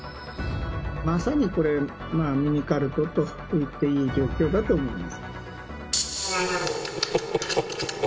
まさにこれ、ミニカルトといっていい状況だと思います。